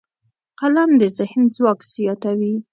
قلم د ذهن ځواک زیاتوي